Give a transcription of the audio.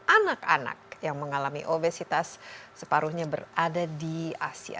anak anak yang mengalami obesitas separuhnya berada di asia